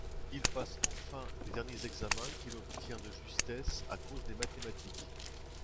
Il passe enfin les derniers examens qu'il obtient de justesse à cause des mathématiques.